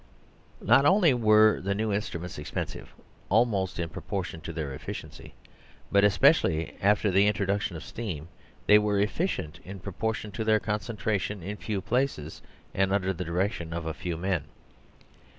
Not only were the new instruments expensive almost in proportion to their efficiency, but, especially after the introduction of steam, they were efficient in pro portion to their concentration in few places and under the direction of a few men.